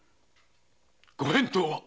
ご返答は？